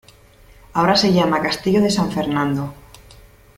Ahora se llama Castillo de San Fernando.